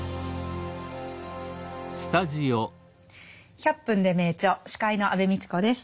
「１００分ｄｅ名著」司会の安部みちこです。